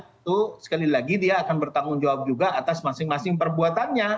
itu sekali lagi dia akan bertanggung jawab juga atas masing masing perbuatannya